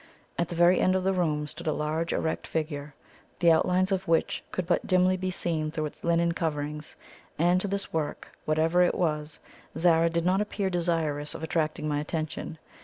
At the very end of the room stood a large erect figure, the outlines of which could but dimly be seen through its linen coverings; and to this work, whatever it was, Zara did not appear desirous of attracting my attention.